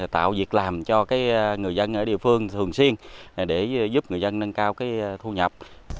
tạo việc làm cho người dân ở địa phương thường xuyên để giúp người dân nâng cao thu nhập